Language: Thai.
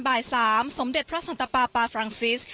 บ่าย๓สมเด็จพระสันตปาปาฟรังซิส